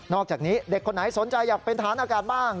อกจากนี้เด็กคนไหนสนใจอยากเป็นฐานอากาศบ้าง